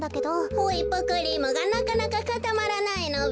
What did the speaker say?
ホイップクリームがなかなかかたまらないのべ。